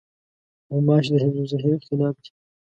غوماشې د حفظالصحې خلاف دي.